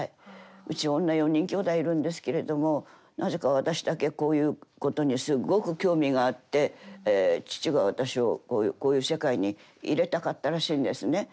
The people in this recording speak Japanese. うち女４人きょうだいいるんですけれどもなぜか私だけこういうことにすっごく興味があって父が私をこういう世界に入れたかったらしいんですね。